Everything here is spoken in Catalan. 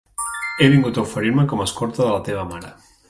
He vingut a oferir-me com escorta de la teva mare.